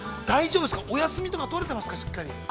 大丈夫ですかお休みとかとれていますか。